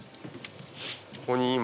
ここに今。